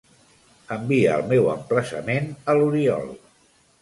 Envia el meu emplaçament a l'Oriol.